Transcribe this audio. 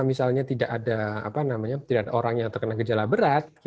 misalnya tidak ada orang yang terkena gejala berat